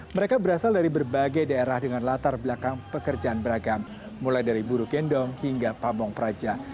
mereka berasal dari berbagai daerah dengan latar belakang pekerjaan beragam mulai dari buruk gendong hingga pabong praja